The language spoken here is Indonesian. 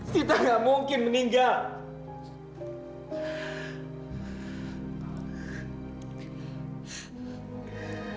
sita gak mungkin meninggal